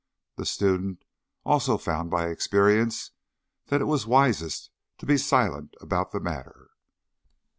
The student also found by experience that it was wisest to be silent about the matter.